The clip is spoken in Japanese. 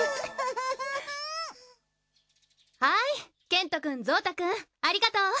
はいけんとくんぞうたくんありがとう。